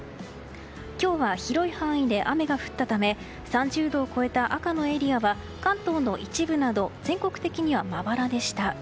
今日は広い範囲で雨が降ったため３０度を超えた赤のエリアは関東の一部など全国的にはまばらでした。